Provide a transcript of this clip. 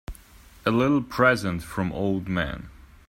A little present from old man.